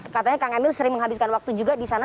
katanya kang emil sering menghabiskan waktu juga di sana